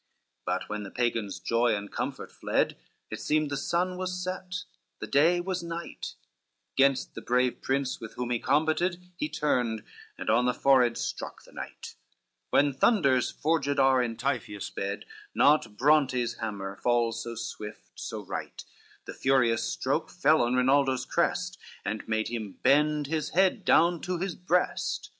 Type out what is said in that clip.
CXIX But when the Pagan's joy and comfort fled, It seemed the sun was set, the day was night, Gainst the brave prince with whom he combated He turned, and on the forehead struck the knight: When thunders forged are in Typhoius' bed, Not Brontes' hammer falls so swift, so right; The furious stroke fell on Rinaldo's crest, And made him bend his head down to his breast.